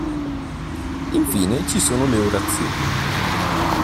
Infine, ci sono le Orazioni.